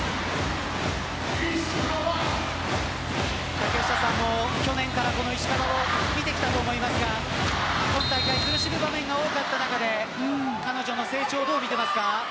竹下さんは去年から石川を見てきたと思いますが今大会苦しむ場面が多かった中で彼女の成長はどうですか。